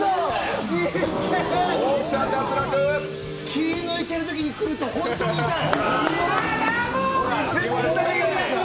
気を抜いてるときにくると、ホントに痛い。